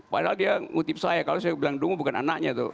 padahal dia ngutip saya kalau saya bilang dungu bukan anaknya tuh